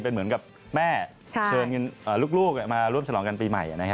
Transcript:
เป็นเหมือนกับแม่เชิญลูกมาร่วมฉลองกันปีใหม่